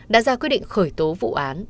đã ra quyết định khởi tố vụ án